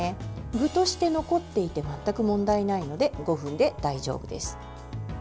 具として残っていて全く問題ないので５分で大丈夫です。